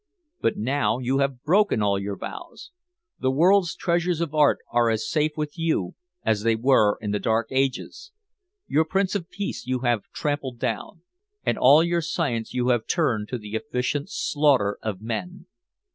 But now you have broken all your vows. The world's treasures of Art are as safe with you as they were in the Dark Ages. Your Prince of Peace you have trampled down. And all your Science you have turned to the efficient slaughter of men.